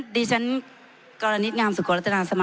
ผมจะขออนุญาตให้ท่านอาจารย์วิทยุซึ่งรู้เรื่องกฎหมายดีเป็นผู้ชี้แจงนะครับ